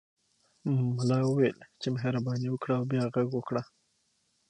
ملا وویل چې مهرباني وکړه او بیا غږ وکړه.